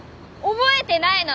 覚えてないの？